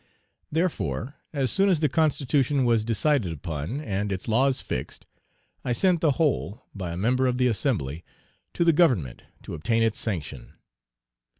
Therefore, as soon as the Constitution was decided upon and its laws fixed, I sent the whole, by a member of the assembly, to the Government, to obtain its sanction.